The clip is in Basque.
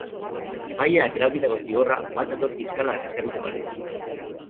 Epaileak erabakitako zigorra bat dator fiskalak eskatutakoarekin.